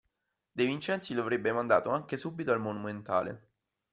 De Vincenzi lo avrebbe mandato anche subito al Monumentale.